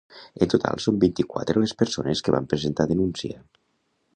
En total són vint-i-quatre les persones que van presentar denúncia.